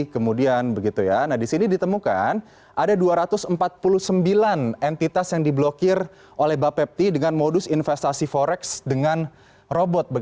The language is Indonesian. kemudian di sini ditemukan ada dua ratus empat puluh sembilan entitas yang diblokir oleh bapepti dengan modus investasi forex dengan robot